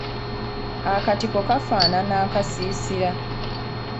Akatiko kafaanana akasiisira.